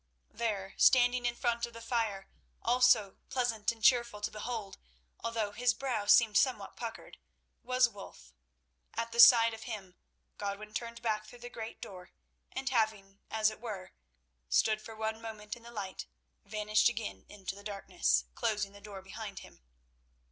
There, standing in front of the fire, also pleasant and cheerful to behold, although his brow seemed somewhat puckered, was Wulf. At the sight of him Godwin turned back through the great door, and having, as it were, stood for one moment in the light, vanished again into the darkness, closing the door behind him.